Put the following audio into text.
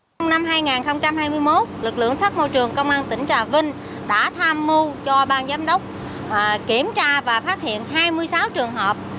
trong năm hai nghìn hai mươi một lực lượng sát môi trường công an tỉnh trà vinh đã tham mưu cho bang giám đốc kiểm tra và phát hiện hai mươi sáu trường hợp